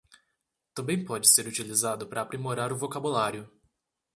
Também pode ser utilizado para aprimorar o vocabulário